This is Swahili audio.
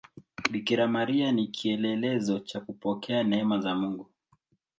Bikira Maria ni kielelezo cha kupokea neema za Mungu.